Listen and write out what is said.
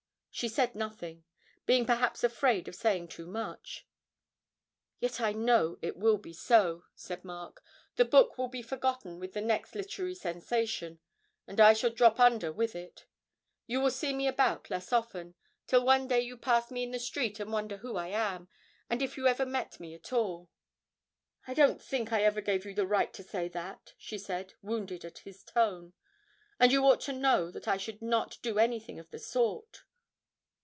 She said nothing, being perhaps afraid of saying too much. 'Yet I know it will be so,' said Mark; 'the book will be forgotten with the next literary sensation, and I shall drop under with it. You will see me about less often, till one day you pass me in the street and wonder who I am, and if you ever met me at all.' 'I don't think I ever gave you the right to say that,' she said, wounded at his tone, 'and you ought to know that I should not do anything of the sort.'